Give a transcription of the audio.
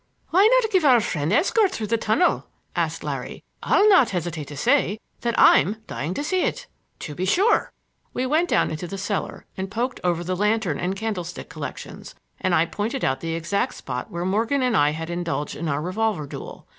"Why not give our friend escort through the tunnel?" asked Larry. "I'll not hesitate to say that I'm dying to see it." "To be sure!" We went down into the cellar, and poked over the lantern and candlestick collections, and I pointed out the exact spot where Morgan and I had indulged in our revolver duel.